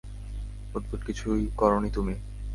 উদ্ভট কিছুই করোনি তুমি।